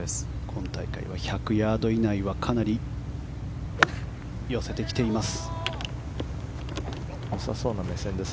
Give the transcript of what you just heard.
今大会は１００ヤード以内はかなり寄せてきています。